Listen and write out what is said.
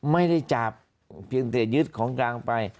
ไม่ได้จับเพียงแต่ยึดของกลางไป